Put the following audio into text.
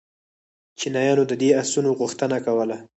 چینایانو د دې آسونو غوښتنه کوله